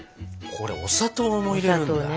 これお砂糖も入れるんだ？